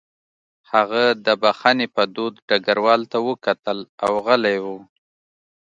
هغه د بښنې په دود ډګروال ته وکتل او غلی و